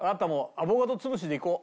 アボカド潰しでいこう。